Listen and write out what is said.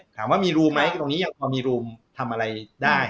ถามว่ามีรูไหมตรงนี้มันมีรูมทำอะไรได้